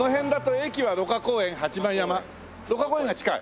芦花公園が近い？